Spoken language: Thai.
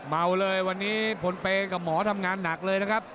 เมาเลยวันนี้พลเปย์กับหมอทำงานหนักเลยนะครับ